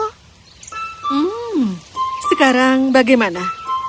hmm sekarang bagaimana